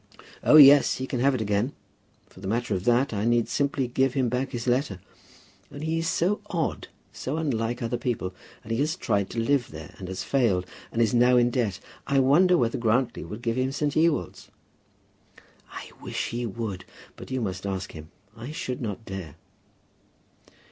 "Oh, yes; he can have it again. For the matter of that, I need simply give him back his letter. Only he is so odd, so unlike other people! And he has tried to live there, and has failed; and is now in debt. I wonder whether Grantly would give him St. Ewold's?" "I wish he would. But you must ask him. I should not dare."